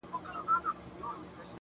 ښه د خدای پامانی کاوه